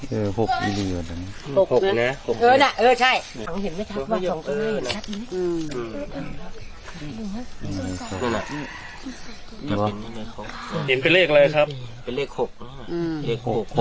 เห็นเป็นเลขอะไรครับเป็นเลข๖เลข๖